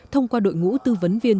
thông qua đội ngũ tư vấn viên